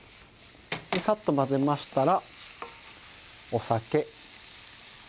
さっと混ぜましたらお酒。